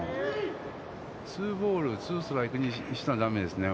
ツーボール、ツーストライクにしたらだめですね。